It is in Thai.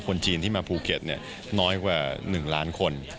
คนจีนที่มาภูเก็ตน้อยกว่า๑ล้านคน